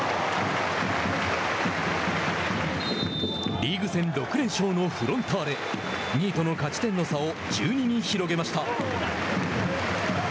リーグ戦６連勝のフロンターレ２位との勝ち点の差を１２に広げました。